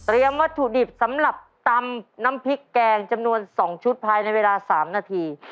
วัตถุดิบสำหรับตำน้ำพริกแกงจำนวน๒ชุดภายในเวลา๓นาที